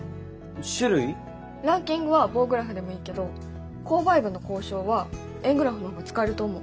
ランキングは棒グラフでもいいけど購買部の交渉は円グラフの方が使えると思う。